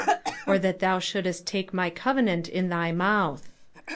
'Or that thou thouldaH take my ixnenant in thy mrnth."